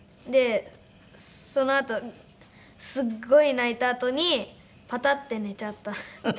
そのあとすごい泣いたあとにパタッて寝ちゃったって。